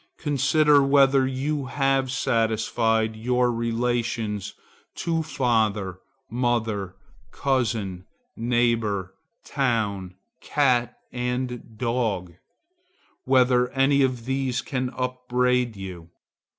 Consider whether you have satisfied your relations to father, mother, cousin, neighbor, town, cat, and dog; whether any of these can upbraid you.